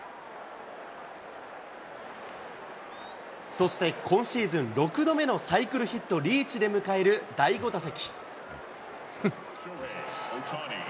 そして今シーズン６度目のサイクルヒットリーチで迎える第５打席。